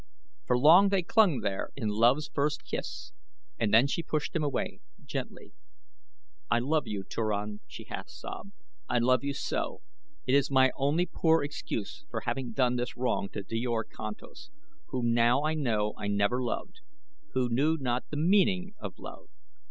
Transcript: For long they clung there in love's first kiss and then she pushed him away, gently. "I love you, Turan," she half sobbed; "I love you so! It is my only poor excuse for having done this wrong to Djor Kantos, whom now I know I never loved, who knew not the meaning of love.